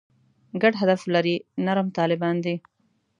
ګډ هدف لري «نرم طالبان» دي.